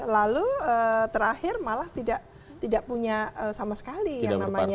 lalu terakhir malah tidak punya sama sekali yang namanya